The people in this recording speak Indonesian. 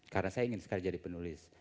karena saya ingin sekali jadi penulis